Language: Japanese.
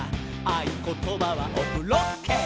「あいことばはオフロッケ！」